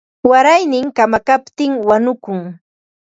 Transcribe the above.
Wayarnin kamakaptin wanukun.